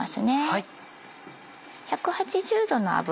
はい。